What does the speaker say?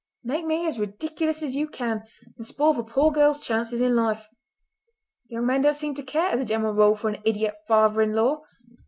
Make me as ridiculous as you can, and spoil the poor girls' chances in life. Young men don't seem to care, as a general rule, for an idiot father in law!